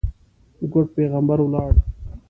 ګوډ پېغمبر ولاړ.